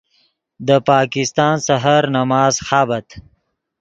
دے پاکستان سحر نماز خابت